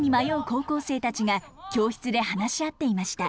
高校生たちが教室で話し合っていました。